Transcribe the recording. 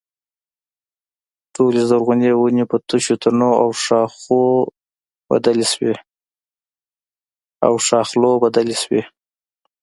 ټولې زرغونې ونې په تشو تنو او ښاخلو بدلې شوې.